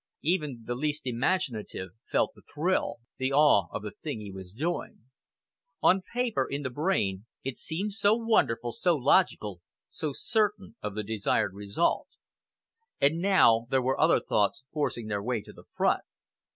Even the least imaginative felt the thrill, the awe of the thing he was doing. On paper, in the brain, it seemed so wonderful, so logical, so certain of the desired result. And now there were other thoughts forcing their way to the front.